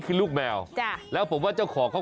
คือลูกแมวจ้ะแล้วผมว่าเจ้าของเขา